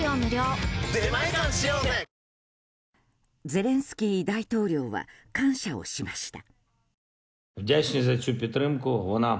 ゼレンスキー大統領は感謝をしました。